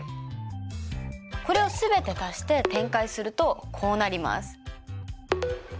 これを全て足して展開するとこうなります。